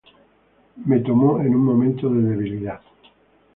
Me tomó en un momento de debilidad.